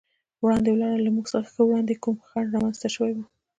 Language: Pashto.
وړاندې ولاړم، له موږ څخه ښه وړاندې کوم خنډ رامنځته شوی و.